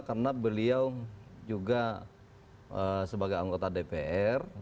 karena beliau juga sebagai anggota dpr